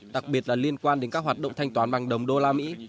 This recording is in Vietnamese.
đặc biệt là liên quan đến các hoạt động thanh toán bằng đồng đô la mỹ